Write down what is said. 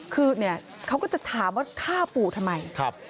คือเนี่ยเขาก็จะถามว่าฆ่าปู่ทำไม